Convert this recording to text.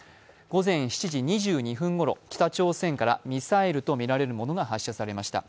午前７時２２分ごろ、北朝鮮からミサイルとみられるものが発射されました。